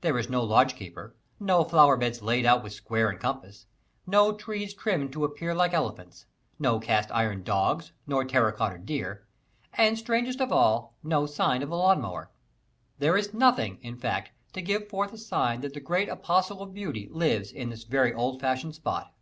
There is no lodge keeper, no flowerbeds laid out with square and compass, no trees trimmed to appear like elephants, no cast iron dogs, nor terra cotta deer, and, strangest of all, no sign of the lawn mower. There is nothing, in fact, to give forth a sign that the great Apostle of Beauty lives in this very old fashioned spot.